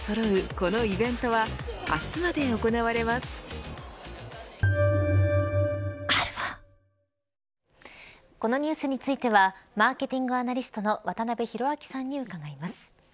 このイベントはこのニュースについてはマーケティングアナリストの渡辺広明さんに伺います。